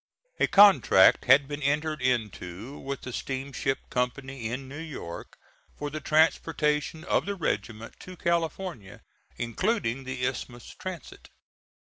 A contract had been entered into with the steamship company in New York for the transportation of the regiment to California, including the Isthmus transit.